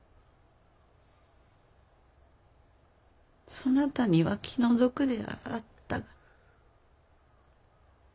そなたには気の毒であった。